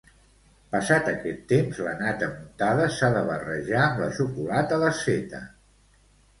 Passat aquest temps, la nata muntada s'ha de barrejar amb la xocolata desfeta.